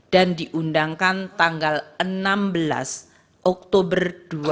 dan diundangkan tanggal enam belas oktober dua ribu dua puluh tiga